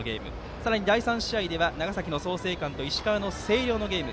さらに、第３試合では長崎の創成館と石川の星稜のゲーム。